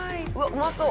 うまそう。